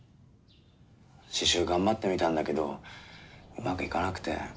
刺しゅう頑張ってみたんだけどうまくいかなくて。